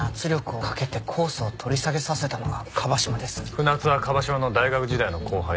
船津は椛島の大学時代の後輩だ。